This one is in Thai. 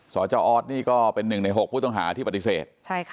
จออสนี่ก็เป็น๑ใน๖ผู้ต้องหาที่ปฏิเสธ